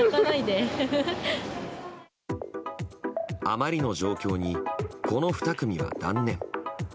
あまりの状況にこの２組は断念。